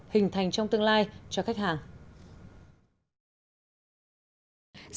hình thành trong tương lai cho khách hàng